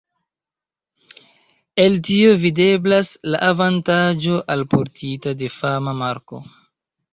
El tio videblas la avantaĝo alportita de fama marko.